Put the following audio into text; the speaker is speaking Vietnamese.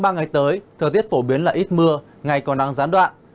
ba ngày tới thời tiết phổ biến là ít mưa ngày còn nắng gián đoạn